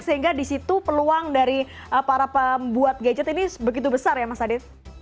sehingga di situ peluang dari para pembuat gadget ini begitu besar ya mas adit